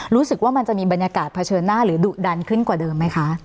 รู้สึกว่ามันจะมีบรรยากาศเผชิญหน้าหรือดุดันขึ้นกว่าเดิมไหมคะ